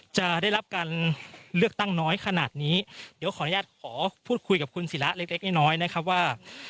จะได้รับการเลือกตั้งน้อยขนาดนี้เดี๋ยวขออนุญาตขอพูดคุยกับคุณศิระเล็กน้อยนะครับว่า